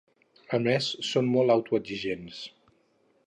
A més, som molt autoexigents.